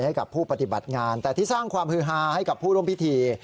ให้กับผู้ปฏิบัติงานแต่ที่สร้างความฮือฮาให้กับผู้ร่วมพิธี